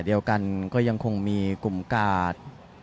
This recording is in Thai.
เดียวกันก็ยังคงมีกลุ่มกาด